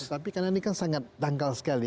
tapi karena ini kan sangat dangkal sekali